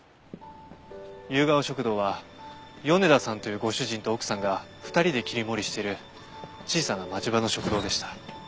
ゆうがお食堂は米田さんというご主人と奥さんが２人で切り盛りしてる小さな町場の食堂でした。